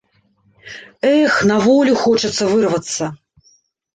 Эх, на волю хочацца вырвацца!